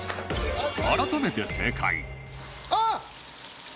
改めて正解あっ！